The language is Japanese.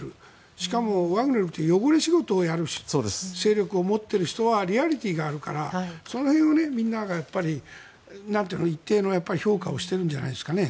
しかもワグネルという汚れ仕事をやる勢力を持っている人はリアリティーがあるからその辺をみんな一定の評価をしているんじゃないですかね。